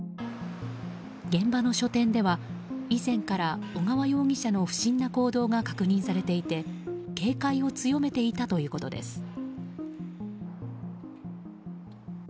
現場の書店では以前から小川容疑者の不審な行動が確認されていて警戒を強めていたということです。